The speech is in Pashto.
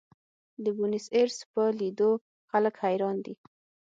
د بونیس ایرس په لیدو خلک حیران دي.